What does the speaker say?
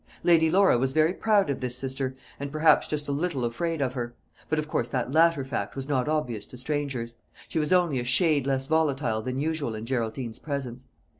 Lady Laura was very proud of this sister, and perhaps just a little afraid of her; but of course that latter fact was not obvious to strangers; she was only a shade less volatile than usual in Geraldine's presence.